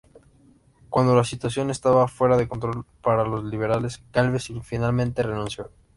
Cuando la situación estaba fuera de control para los liberales, Gálvez finalmente renunció.